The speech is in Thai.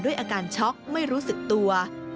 อาการช็อกไม่รู้สึกตัว